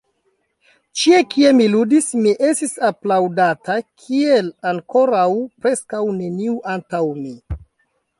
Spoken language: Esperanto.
Ĉie kie mi ludis, mi estis aplaŭdata kiel ankoraŭ preskaŭ neniu antaŭ mi.